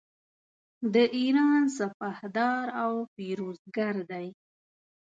د ایران سپهدار او پیروزګر دی.